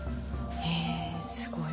へえすごい。